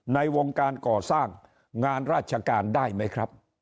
ในวงการก่อสร้างงานราชการได้ไหมครับ